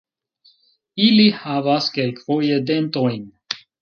Ili havas kelkfoje dentojn.